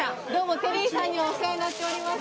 テリーさんにはお世話になっております。